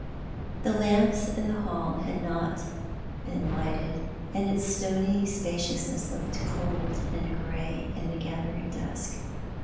The lamps in the hall had not been lighted, and its stony spaciousness looked cold and grey in the gathering dusk.